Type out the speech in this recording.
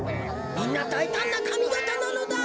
みんなだいたんなかみがたなのだ。